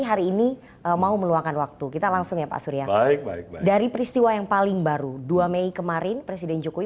presiden jokowi mengumpulkan presiden jokowi untuk mencari penyelesaian dari jokowi